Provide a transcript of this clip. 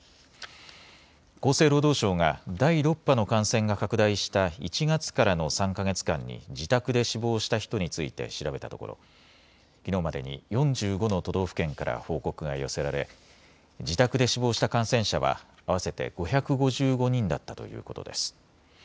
厚生労働省が第６波の感染が拡大した１月からの３か月間に自宅で死亡した人について調べたところ、きのうまでに４５の都道府県から報告が寄せられ自宅で死亡した感染者は合わせて５５５人だったということです。